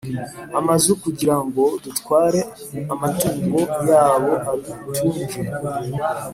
amazu kugira ngo dutware amatungo yabo adutunge: